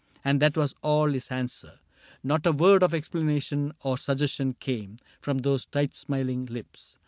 And that was all his answer : not a word Of explanation or suggestion came From those tight smiling lips.